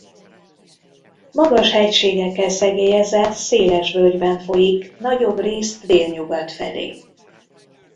Magas hegységekkel szegélyezett széles völgyben folyik nagyobb részt délnyugat felé.